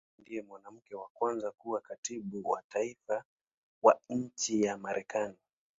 Yeye ndiye mwanamke wa kwanza kuwa Katibu wa Taifa wa nchi ya Marekani.